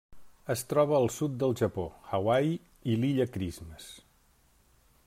Es troba al sud del Japó, Hawaii i l'Illa Christmas.